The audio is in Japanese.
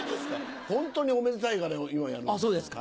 ホントにおめでたいから今やるんだよ。